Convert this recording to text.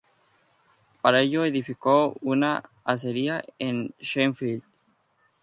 Para ello edificó una acería en Sheffield.